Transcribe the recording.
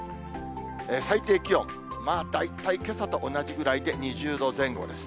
最低気温、大体けさと同じぐらいで２０度前後です。